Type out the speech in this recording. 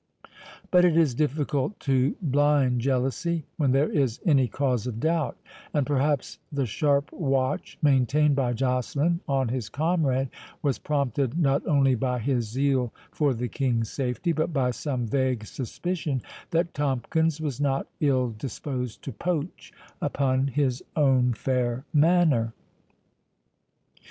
But it is difficult to blind jealousy— when there is any cause of doubt; and perhaps the sharp watch maintained by Joceline on his comrade, was prompted not only by his zeal for the King's safety, but by some vague suspicion that Tomkins was not ill disposed to poach upon his own fair manor.